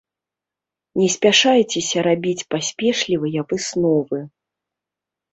Не спяшаецеся рабіць паспешлівыя высновы.